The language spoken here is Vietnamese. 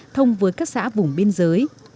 thông với các xã vùng biên giới